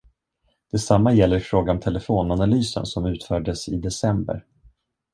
Detsamma gäller i fråga om telefonanalysen, som utfördes i december.